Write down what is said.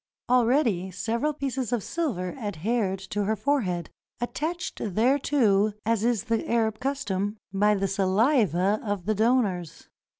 Already several pieces of silver adhered to her forehead — attached thereto, as is the Arab custom, by the saliva of the donors.